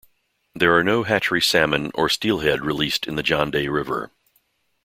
There are no hatchery salmon or steelhead released in the John Day River.